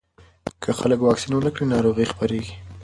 که خلک واکسین ونه کړي، ناروغي خپرېږي.